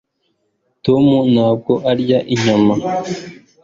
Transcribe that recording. tom ntabwo arya inyama